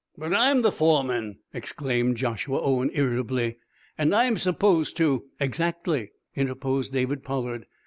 "But I'm the foreman," exclaimed Joshua Owen, irritably, "and I'm supposed to " "Exactly," interposed David Pollard.